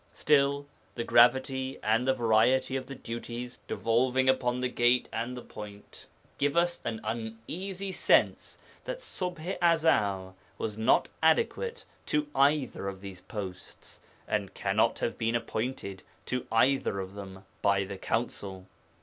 Still the gravity and variety of the duties devolving upon the 'Gate' and the 'Point' give us an uneasy sense that Ṣubḥ i Ezel was not adequate to either of these posts, and cannot have been appointed to either of them by the Council.